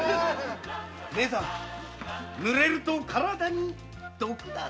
「ねぇさん濡れると体に毒だぜ」